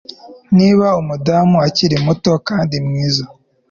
Niba umudamu akiri muto kandi mwiza